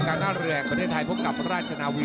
การท่าเรือประเทศไทยพบกับราชนาวี